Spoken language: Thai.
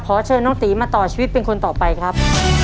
เชิญน้องตีมาต่อชีวิตเป็นคนต่อไปครับ